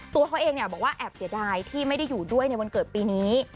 ตัวเขาเองบอกว่าแอบเสียดายที่ไม่ได้อยู่ด้วยในวันเกิดปีนี้